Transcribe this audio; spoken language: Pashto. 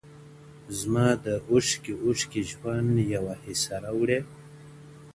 زما د اوښکي ـ اوښکي ژوند يوه حصه راوړې~